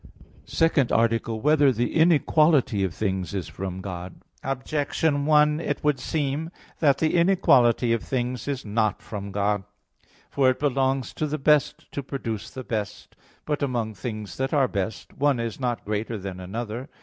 _______________________ SECOND ARTICLE [I, Q. 47, Art. 2] Whether the Inequality of Things Is from God? Objection 1: It would seem that the inequality of things is not from God. For it belongs to the best to produce the best. But among things that are best, one is not greater than another.